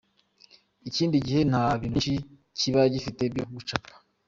Ikindi gihe nta bintu byinshi kiba gifite byo gucapa.